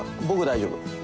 僕大丈夫。